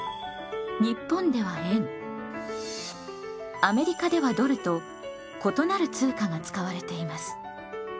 アメリカではドルと異なる通貨が使われています。